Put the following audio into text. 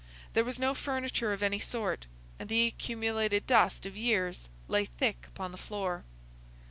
There was no furniture of any sort, and the accumulated dust of years lay thick upon the floor.